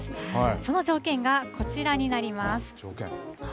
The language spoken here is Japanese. その条件がこちらになります。